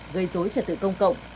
gây dối trật tự công cộng